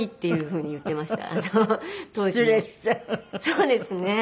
そうですね。